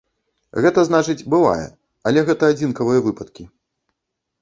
Гэта значыць, бывае, але гэта адзінкавыя выпадкі.